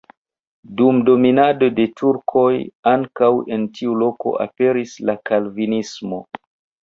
Dum dominado de turkoj ankaŭ en tiu loko aperis la kalvinismo.